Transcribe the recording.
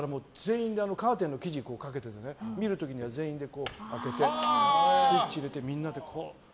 カーテンの生地をかけてて見る時には、全員で開けてスイッチ入れてみんなでこうやって。